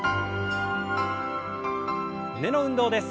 胸の運動です。